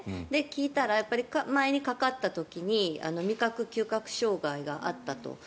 聞いたら、前にかかった時に味覚・嗅覚障害があったと。